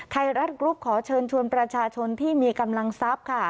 ไทยรัฐกรุ๊ปขอเชิญชวนประชาชนที่มีกำลังทรัพย์ค่ะ